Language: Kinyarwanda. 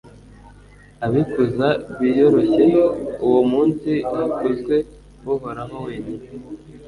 abikuza biyoroshye: uwo munsi hakuzwe uhoraho wenyine